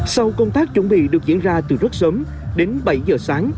sau công tác chuẩn bị được diễn ra từ rất sớm đến bảy giờ sáng